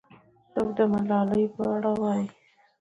څوک د ملالۍ په اړه وایي؟